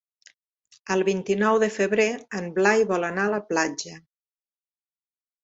El vint-i-nou de febrer en Blai vol anar a la platja.